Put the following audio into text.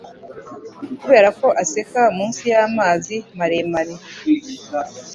Kubera ko aseka munsi y'amazi maremare